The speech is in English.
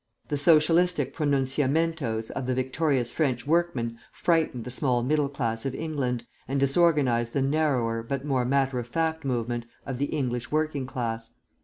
The Socialistic pronunciamentos of the victorious French workmen frightened the small middle class of England and disorganised the narrower, but more matter of fact movement of the English working class.